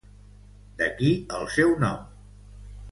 D'aquí el seu nom.